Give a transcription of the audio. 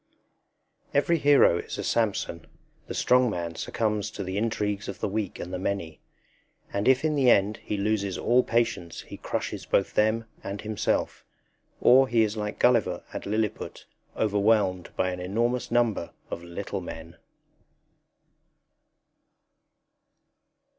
Every hero is a Samson. The strong man succumbs to the intrigues of the weak and the many; and if in the end he loses all patience he crushes both them and himself. Or he is like Gulliver at Lilliput, overwhelmed by an enormous number of little men.